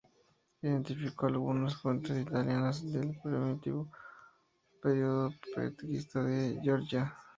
Identificó algunas fuentes italianas del primitivo periodo petrarquista de Góngora.